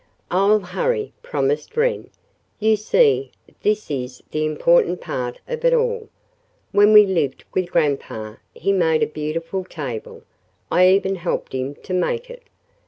"I'll hurry," promised Wren. "You see, this is the important part of it all. When we lived with grandpa he made a beautiful table I even helped him to make it.